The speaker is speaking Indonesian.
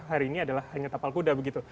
hari ini adalah hanya tapal kuda begitu